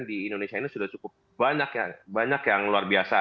di indonesia ini sudah cukup banyak yang luar biasa